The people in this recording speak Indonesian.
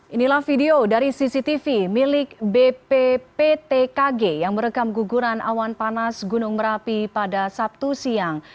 inilah video dari cctv milik bpptkg yang merekam guguran awan panas gunung merapi pada sabtu siang